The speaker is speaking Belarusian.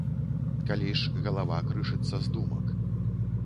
Калі ж галава крышыцца з думак.